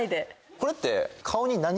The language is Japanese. これって。